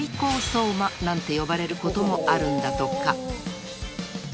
［なんて呼ばれることもあるんだとか］